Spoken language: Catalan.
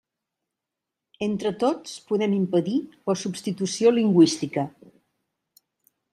Entre tots podem impedir la substitució lingüística.